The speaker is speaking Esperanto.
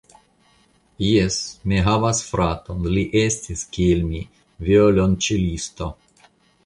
Jes, mi havas fraton, li estis, kiel mi, violonĉelisto.